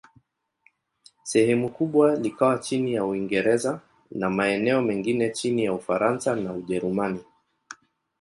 Sehemu kubwa likawa chini ya Uingereza, na maeneo mengine chini ya Ufaransa na Ujerumani.